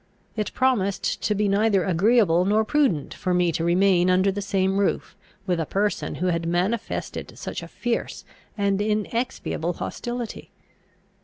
It promised to be neither agreeable nor prudent for me to remain under the same roof with a person who had manifested such a fierce and inexpiable hostility.